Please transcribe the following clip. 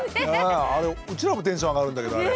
あれうちらもテンション上がるんだけどあれ。